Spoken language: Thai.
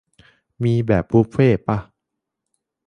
มีแบบบุฟเฟ่ต์ป่ะ ?